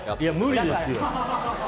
無理ですよ！